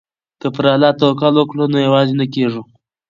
که پر الله توکل وکړو نو نه یوازې کیږو.